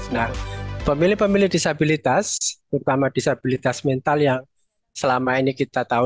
nah pemilih pemilih disabilitas terutama disabilitas mental yang selama ini kita tahu